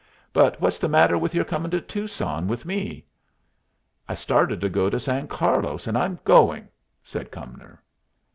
But what's the matter with your coming to Tucson with me?" "I started to go to San Carlos, and I'm going," said Cumnor.